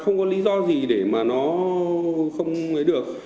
không có lý do gì để mà nó không lấy được